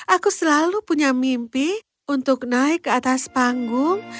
aku selalu punya mimpi untuk naik ke atas panggung